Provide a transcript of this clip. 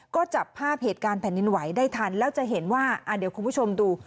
ก็จับภาพเหตุการณ์แผ่นดินไหวได้ทันแล้วจะเห็นว่าอ่าเดี๋ยวคุณผู้ชมดู